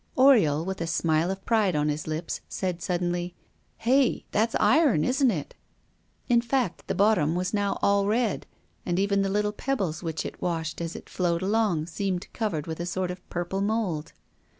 Oriol, with a smile of pride on his lips, said suddenly: "Hey, that's iron, isn't it?" In fact the bottom was now all red, and even the little pebbles which it washed as it flowed along seemed covered with a sort of purple mold.